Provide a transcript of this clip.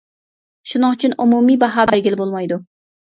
شۇنىڭ ئۈچۈن ئومۇمىي باھا بەرگىلى بولمايدۇ.